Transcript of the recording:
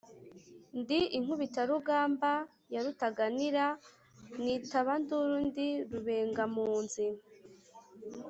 ndi inkubitarugamba ya Rutaganira, Mwitabanduru ndi Rubengampunzi.